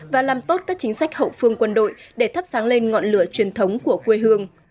và làm tốt các chính sách hậu phương quân đội để thắp sáng lên ngọn lửa truyền thống của quê hương